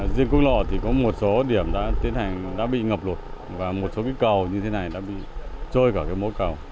riêng quốc lộ thì có một số điểm đã bị ngập lụt và một số cầu như thế này đã bị trôi cả mỗi cầu